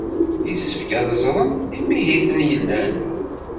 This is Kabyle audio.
Yessefk ad ẓren imihiten yellan.